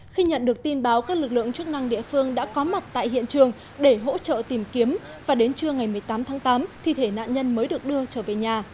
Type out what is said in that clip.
khi nhận được tin báo các lực lượng chức năng địa phương đã có mặt tại hiện trường để hỗ trợ tìm kiếm và đến trưa ngày một mươi tám tháng tám thi thể nạn nhân mới được đưa trở về nhà